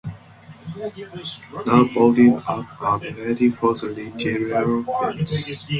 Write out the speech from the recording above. Now boarded up and ready for redevelopment.